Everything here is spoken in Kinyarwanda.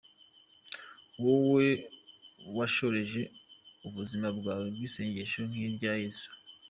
Wowe washoreje ubuzima bwawe kw’isengesho nk’irya Yezu